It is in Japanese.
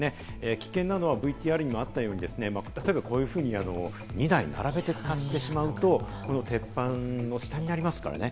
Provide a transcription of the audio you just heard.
危険なのはＶＴＲにもあったように、例えば、こういうふうに２台並べて使ってしまうと、鉄板の下になりますからね。